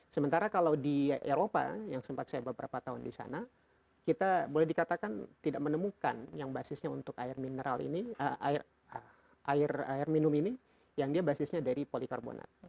sementara kalau di eropa yang sempat saya beberapa tahun di sana kita boleh dikatakan tidak menemukan yang basisnya untuk air mineral ini air minum ini yang dia basisnya dari polikarbonat